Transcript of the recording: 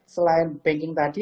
selain banking tadi